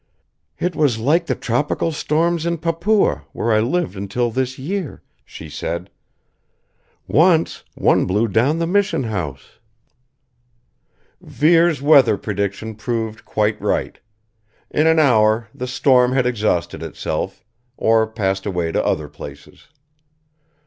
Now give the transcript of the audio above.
"It was like the tropical storms in Papua, where I lived until this year," she said. "Once, one blew down the mission house." Vere's weather prediction proved quite right. In an hour the storm had exhausted itself, or passed away to other places.